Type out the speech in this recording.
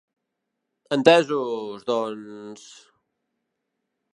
Entesos, doncs...